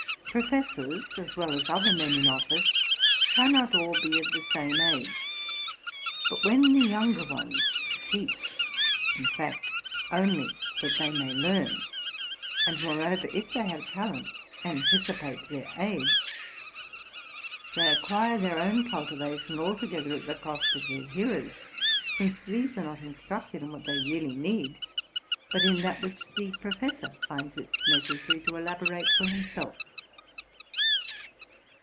Professors, as well as other men in office, cannot all be of the same age: but when the younger ones teach, in fact, only that they may learn, and moreover, 206 TRUTH AND FICTION if they have talent, axJcipate their age, they acquire their own cultivation altogether at the cost of their hearers ; since these are not instructed in what they really need, but in that which the professor finds it necessary to elaborate for him self.